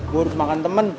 gue harus makan temen